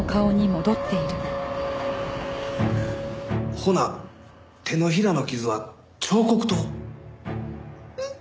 ほな手のひらの傷は彫刻刀？